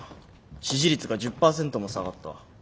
支持率が１０％も下がった。